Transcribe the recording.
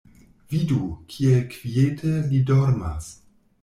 Vidu, kiel kviete li dormas.